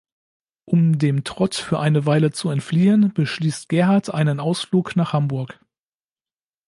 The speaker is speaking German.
Um dem Trott für eine Weile zu entfliehen, beschließt Gerhard einen Ausflug nach Hamburg.